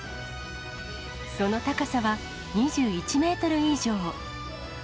その高さは２１メートル以上。